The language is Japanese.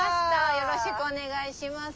よろしくお願いします。